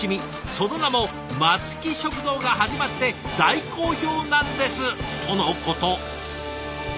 その名も『松木食堂』が始まって大好評なんです！」とのこと。